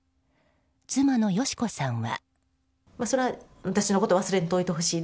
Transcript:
妻の佳子さんは。